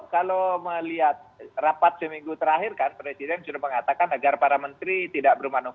kalau melihat rapat seminggu terakhir kan presiden sudah mengatakan agar para menteri tidak bermanusia